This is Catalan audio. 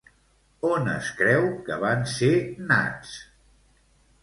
On es creu que van ser nats?